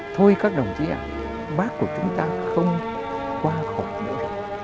thôi các đồng chí ạ bác của chúng ta không qua khỏi nữa